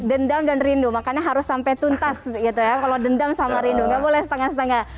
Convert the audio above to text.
dendam dan rindu makanya harus sampai tuntas gitu ya kalau dendam sama rindu gak boleh setengah setengah